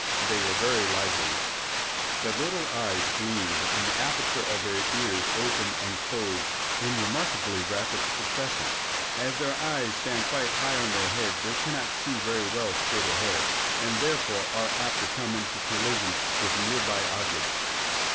They were very lively. Their little eyes gleamed and the apertures of the ears opened and closed in remarkably rapid succession. As their eyes stand quite high on their heads they cannot see very well straight ahead, and therefore are apt to come into collision with near by objects.